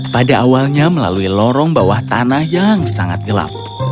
pada awalnya melalui lorong bawah tanah yang sangat gelap